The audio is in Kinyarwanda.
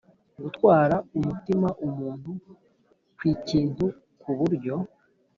gutwara umutima umuntu kw’ikintu ku buryo